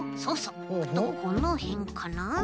あとこのへんかな。